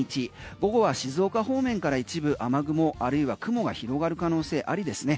午後は静岡方面から一部雨雲あるいは雲が広がる可能性ありですね。